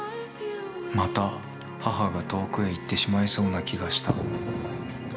また、母が遠くへ行ってしまいそうな気がした。